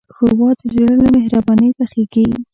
ښوروا د زړه له مهربانۍ پخیږي.